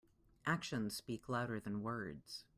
Actions speak louder than words.